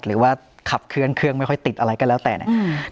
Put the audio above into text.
หรือว่าขับเคลื่อนเครื่องไม่ค่อยติดอะไรก็แล้วแต่เนี่ย